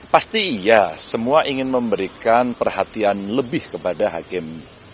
pasti iya semua ingin memberikan perhatian lebih kepada hakim